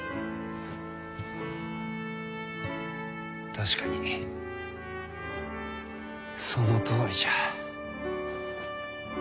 確かにそのとおりじゃ。